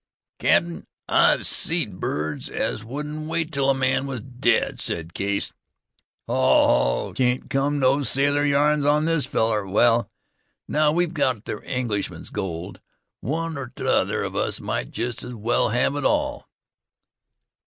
"Cap'n, I've seed birds as wouldn't wait till a man was dead," said Case. "Haw! haw! you can't come no sailor yarns on this fellar. Wal, now, we've got ther Englishman's gold. One or t'other of us might jest as well hev it all."